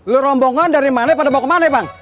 lo rombongan dari mana pada mau ke mana bang